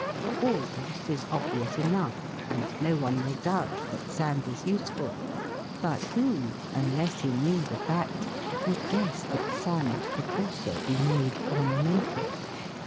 All this is obvious enough, and no one will doubt that sand is useful ; but who, unless he knew the fact, would guess that sand could also be made ornamental